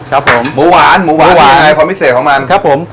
ครับผมหมูหวานหมูหวานความพิเศษของมันครับผม